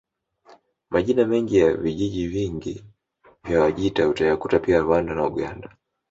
Majina mengi ya vijiji vingi vya Wajita utayakuta pia Rwanda na Uganda